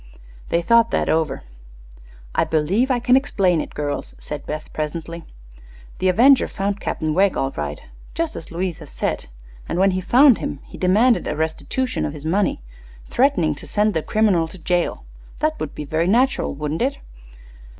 They thought that over. "I believe I can explain it, girls," said Beth, presently. "The avenger found Captain Wegg, all right just as Louise has said and when he found him he demanded a restitution of his money, threatening to send the criminal to jail. That would be very natural, wouldn't it?